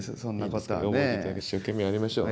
一生懸命やりましょう。